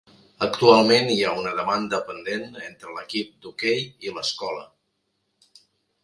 Actualment hi ha una demanda pendent entre l'equip d'hoquei i l'escola.